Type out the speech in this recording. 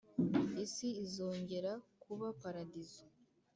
Isi izongera kuba Paradizo